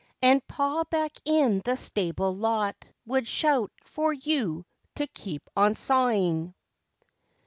And pa back in the stable lot would shout for you to keep on sawing?